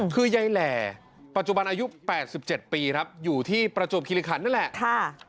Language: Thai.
คือยายแหล่ปัจจุบันอายุ๘๗ปีครับอยู่ที่ประจวบคิริคันนั่นแหละ